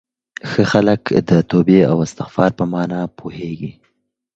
ښه خلک د توبې او استغفار په مانا پوهېږي.